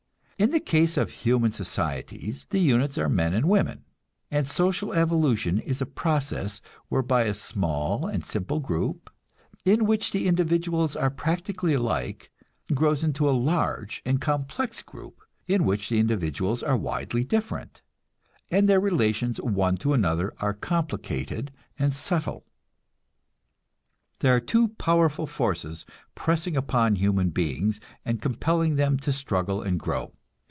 In the case of human societies the units are men and women, and social evolution is a process whereby a small and simple group, in which the individuals are practically alike, grows into a large and complex group, in which the individuals are widely different, and their relations one to another are complicated and subtle. There are two powerful forces pressing upon human beings, and compelling them to struggle and grow.